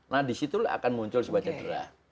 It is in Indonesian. nah di situ akan muncul sebuah cedera